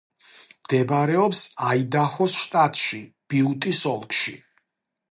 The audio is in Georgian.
მდებარეობს აიდაჰოს შტატში, ბიუტის ოლქში.